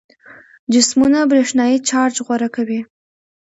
جسمونه برېښنايي چارج غوره کوي.